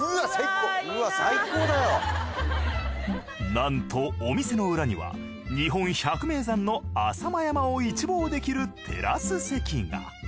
なんとお店の裏には日本百名山の浅間山を一望できるテラス席が。